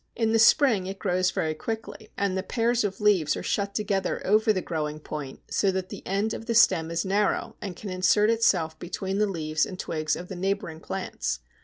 In the spring it grows very quickly, and the pairs of leaves are shut together over the growing point, so that the end of the stem is narrow and can insert itself between the leaves and twigs of the neighbouring plants.